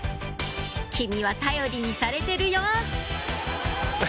キミは頼りにされてるよ！